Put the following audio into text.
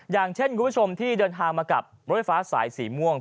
อย่างเช่นคุณผู้ชมที่เดินทางมากับรถไฟฟ้าสายสีม่วง